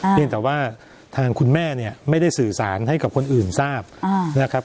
เพียงแต่ว่าทางคุณแม่ไม่ได้สื่อสารให้กับคนอื่นทราบ